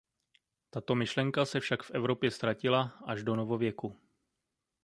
Tato myšlenka se však v Evropě „ztratila“ až do novověku.